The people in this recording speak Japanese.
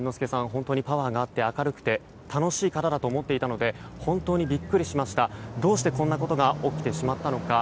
本当のパワーがあって明るくて、楽しい方だと思っていたので本当にビックリしましたどうしてこんなことが起きてしまったのか